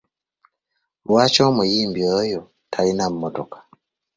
Lwaki omuyimbi oyo talina mmotoka?